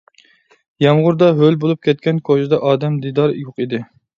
يامغۇردا ھۆل بولۇپ كەتكەن كوچىدا ئادەم دىدارى يوق ئىدى.